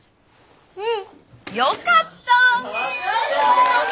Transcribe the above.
うん！よかったわね。